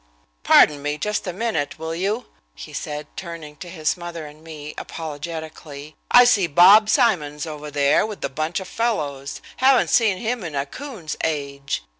"Pardon me just a minute, will you?" he said, turning to his mother and me, apologetically, "I see Bob Simonds over there with a bunch of fellows. Haven't seen him in a coon's age.